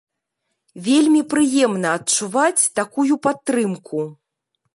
Вельмі прыемна адчуваць такую падтрымку.